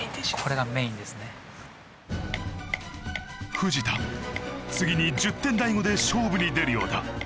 藤田次に１０点大悟で勝負に出るようだ。